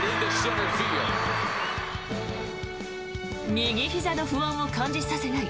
右ひざの不安を感じさせない